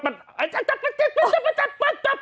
ไอ้เจ๊ะปั๊ะ